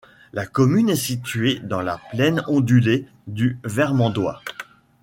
La commune est située dans la plaine ondulée du Vermandois.